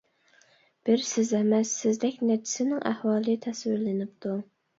بىر سىز ئەمەس سىزدەك نەچچىسىنىڭ ئەھۋالى تەسۋىرلىنىپتۇ.